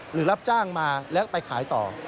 หรือรับจ้างมาและไปขายต่อ